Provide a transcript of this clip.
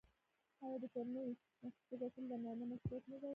آیا د کورنۍ نفقه ګټل د نارینه مسوولیت نه دی؟